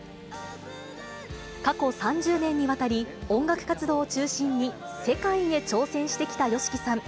過去３０年にわたり、音楽活動を中心に世界へ挑戦してきたＹＯＳＨＩＫＩさん。